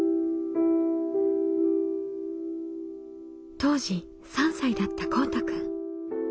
当時３歳だったこうたくん。